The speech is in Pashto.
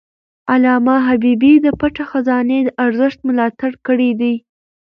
علامه حبيبي د پټه خزانه د ارزښت ملاتړ کړی دی.